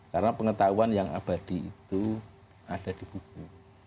karena pengetahuan yang abadi itu ada di buku